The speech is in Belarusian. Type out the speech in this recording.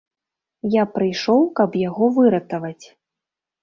Я прыйшоў, каб яго выратаваць.